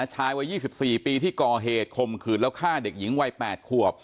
วัย๒๔ปีที่ก่อเหตุคมขืนแล้วฆ่าเด็กหญิงวัย๘ขวบ